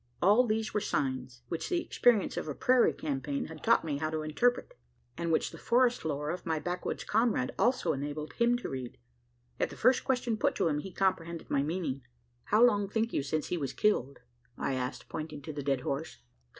All these were signs, which the experience of a prairie campaign had taught me how to interpret; and which the forest lore of my backwoods comrade also enabled him to read. At the first question put to him, he comprehended my meaning. "How long think you since he was killed?" I asked, pointing to the dead horse.